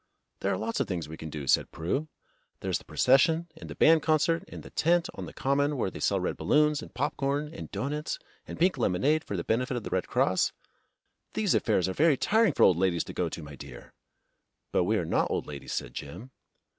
"There are lots of things we can do," said Prue. "There's the Procession and the Band Concert and the tent on the Common where they sell red balloons and popcorn and doughnuts and pink lemonade for the benefit of the Red Cross." "These affairs are very tiring for old ladies to go to, my dear!" "But we are not old ladies," said Jim.